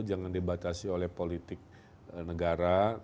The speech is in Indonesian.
jangan dibatasi oleh politik negara